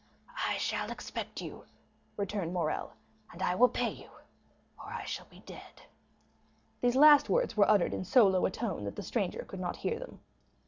"I shall expect you," returned Morrel; "and I will pay you—or I shall be dead." These last words were uttered in so low a tone that the stranger could not hear them.